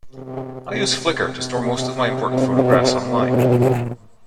I use Flickr to store most of my important photographs online